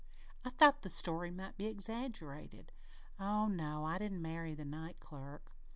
I thought the story might be exaggerated. Oh no, I didn't marry the night clerk.